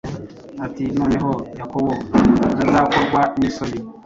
ati: ‘Noneho Yakobo ntazakorwa n’isoni;